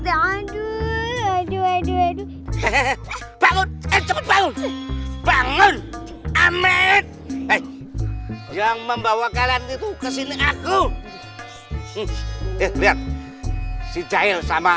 bangun bangun bangun amit yang membawa kalian itu kesini aku lihat si jair sama